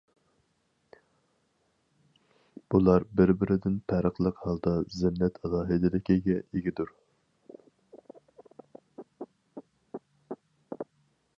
بۇلار بىر-بىرىدىن پەرقلىق ھالدا زىننەت ئالاھىدىلىكىگە ئىگىدۇر.